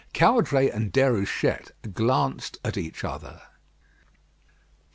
Caudray and Déruchette glanced at each other.